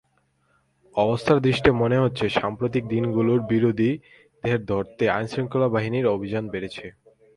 অবস্থাদৃষ্টে মনে হচ্ছে, সাম্প্রতিক দিনগুলোতে বিরোধীদের ধরতে আইনশৃঙ্খলা বাহিনীর অভিযান বেড়েছে।